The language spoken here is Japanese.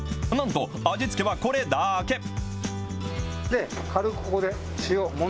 なんと味付けはこれだけ。